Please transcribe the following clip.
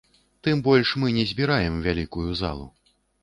Тым больш мы не збіраем вялікую залу.